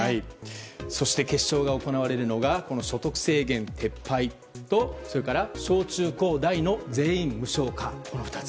そして決勝が行われるのが所得制限撤廃と小中高大の全員無償化の２つ。